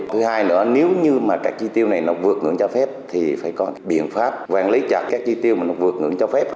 thứ hai nữa nếu như các chi tiêu này vượt ngưỡng cho phép thì phải có biện pháp quản lý chặt các chi tiêu vượt ngưỡng cho phép